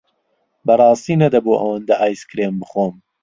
بەڕاستی نەدەبوو ئەوەندە ئایسکرێم بخۆم.